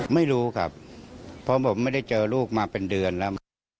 ไม่รู้ครับเพราะผมไม่ได้เจอลูกมาเป็นเดือนแล้ว